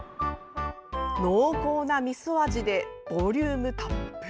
濃厚なみそ味でボリュームたっぷり！